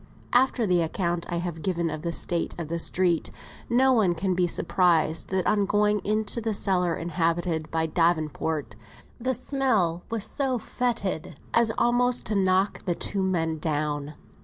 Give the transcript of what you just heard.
After the account I have given of the state of the street, no one can be surprised that on going into the cellar inhabited by Davenport, the smell was so foetid as almost to knock the two men down.